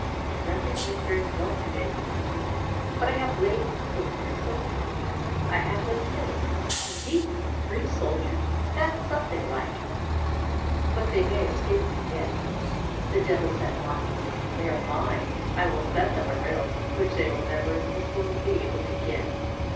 "Nothing went very well to day," he answered, "but I have laid hold of three soldiers, I have them safe." "Indeed! three soldiers, that's something like, but they may escape you yet." The Devil said mockingly, "They are mine! I will set them a riddle, which they will never in this world be able to guess!"